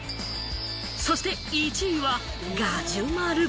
そして１位はガジュマル。